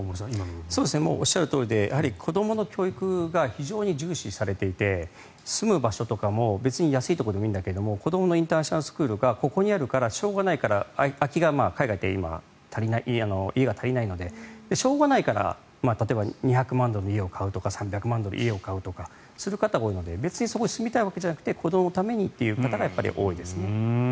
おっしゃるとおりで子どもの教育が非常に重視されていて住む場所とかも別に安い場所でもいいんだけど子どものインターナショナルスクールがここにあるからしょうがないから空きが海外って今、足りない家が足りないのでしょうがないから、例えば２００万ドルの家を買うとか３００万ドルの家を買うという方が多いので高カカオチョコを選ぶ決め手は？